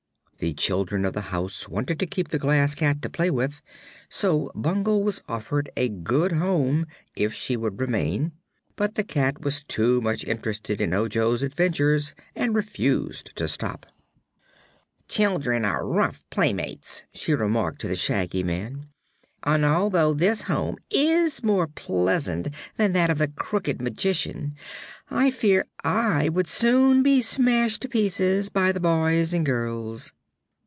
The children of the house wanted to keep the Glass Cat to play with, so Bungle was offered a good home if she would remain; but the cat was too much interested in Ojo's adventures and refused to stop. "Children are rough playmates," she remarked to the Shaggy Man, "and although this home is more pleasant than that of the Crooked Magician I fear I would soon be smashed to pieces by the boys and girls."